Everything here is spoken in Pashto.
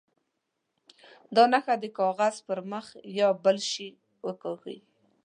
دا نښه د کاغذ پر مخ یا بل شي وکاږي.